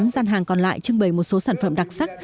tám gian hàng còn lại trưng bày một số sản phẩm đặc sắc